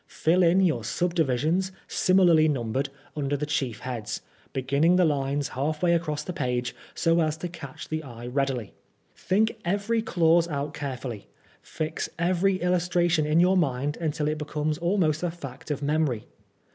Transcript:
Fill in your sub divi sions, similarly numbered, under the chief heads, beginning the lines half way across the page, so as to <jatch the eye readily. Think every clause out care fully. Fix every illustration in your mind until it becomes almost a fact of memory.